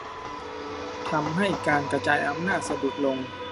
ทำให้การกระจายอำนาจสะดุดลง